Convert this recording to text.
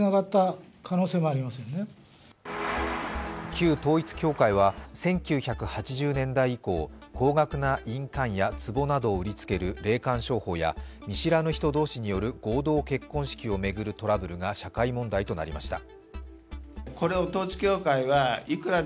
旧統一教会は１９８０年代以降高額な印鑑やつぼなどを売りつける霊感商法や見知らぬ人同士による合同結婚式を巡るトラブルが社会問題となりました。